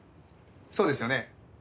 そうですよね？